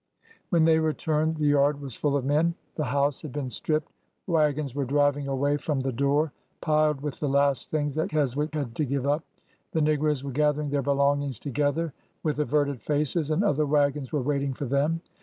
When they returned, the yard was full of men. The house had been stripped. Wagons were driving away from the door piled with the last things that Keswick had to give up. The negroes were gathering their belongings together with averted faces, and other wagons were waiting for them.